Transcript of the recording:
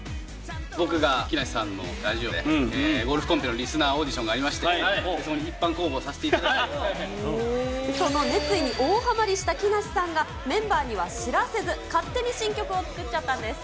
僕が木梨さんのラジオで、ゴルフコンペのリスナーオーディションがありまして、その熱意に大はまりした木梨さんが、メンバーには知らせず、勝手に新曲を作っちゃったんです。